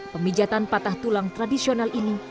pemijatan patah tulang tradisional ini